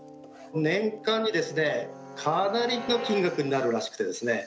年間にかなりの金額になるらしくてですね。